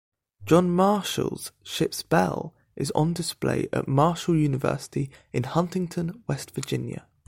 "John Marshall"s ship's bell is on display at Marshall University in Huntington, West Virginia.